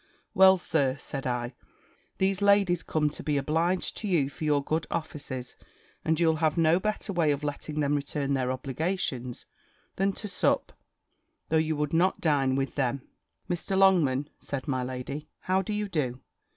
"Well, Sir," said I, "these ladies come to be obliged to you for your good offices; and you'll have no better way of letting them return their obligations, than to sup, though you would not dine with them." "Mr. Longman," said my lady, "how do you do?